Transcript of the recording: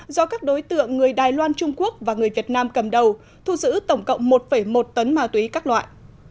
do các đối tượng người đài loan trung quốc và người việt nam cầm đầu thu giữ tổng cộng một một tấn ma túy các loại